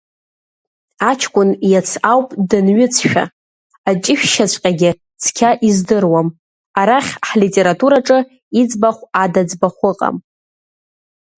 Аҷкән иац ауп данҩыҵшәа, аҷышәшьаҵәҟьагьы цқьа издыруам, арахь ҳлитератураҿы иӡбахә ада ӡбахә ыҟам!